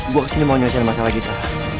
gue kesini mau menyelesaikan masalah kita